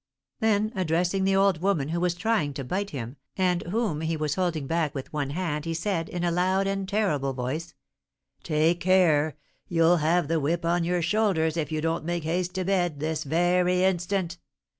Then, addressing the old woman, who was trying to bite him, and whom he was holding back with one hand, he said, in a loud and terrible voice: "Take care; you'll have the whip on your shoulders if you don't make haste to bed this very instant!"